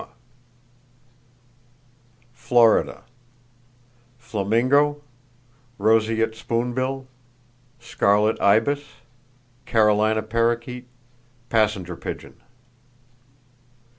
[Page 43] Florida: Flamingo, roseate spoonbill, scarlet ibis, Carolina parrakeet, passenger pigeon.